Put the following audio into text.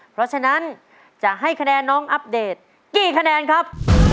เพราะฉะนั้นจะให้คะแนนน้องอัปเดตกี่คะแนนครับ